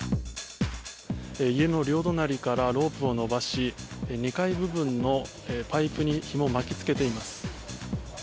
家の両隣からロープを伸ばし２階部分のパイプにひもを巻き付けています。